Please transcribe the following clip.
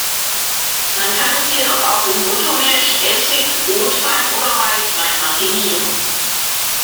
Man kann es jedoch auch in Buttermilch, Essig, Rotwein oder Weißwein marinieren.